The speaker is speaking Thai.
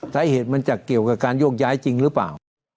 สาเหตุมันจะเกี่ยวกับการโยกย้ายจริงหรือเปล่า